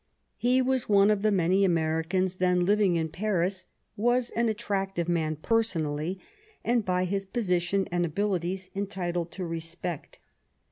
He was one of the many Americans then living in Paris; was an attractive man personally, and by his position and abili ties entitled to respect.